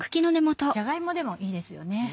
じゃが芋でもいいですよ。